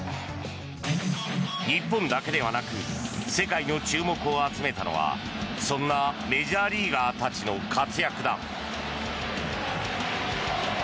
日本だけではなく世界の注目を集めたのはそんなメジャーリーガーたちの活躍だ。